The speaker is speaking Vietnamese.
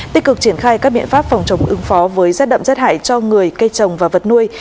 tích cực triển khai các biện pháp phòng chống ứng phó với rét đậm rét hại cho người cây trồng và vật nuôi